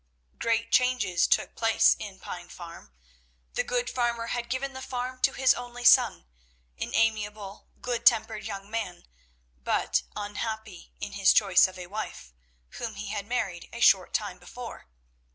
Great changes took place in Pine Farm. The good farmer had given the farm to his only son, an amiable, good tempered young man, but unhappy in his choice of a wife, whom he had married a short time before.